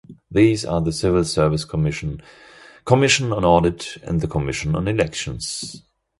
These are the Civil Service Commission, Commission on Audit, and the Commission on Elections.